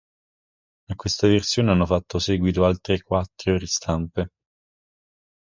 A questa versione hanno fatto seguito altre quattro ristampe.